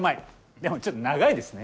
でもちょっと長いですね。